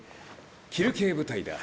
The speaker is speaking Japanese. キルケー部隊だ。